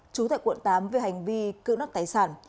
trú tại quận tám về hành vi cưỡng đất tài sản